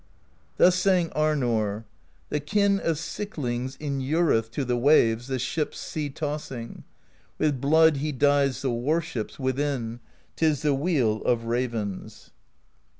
Thus sang Arnorr: The Kin of Siklings inureth To the waves the ships sea tossing; With blood he dyes the warships Within : 't is the weal of ravens.